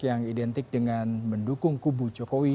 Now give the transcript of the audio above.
yang identik dengan mendukung kubu jokowi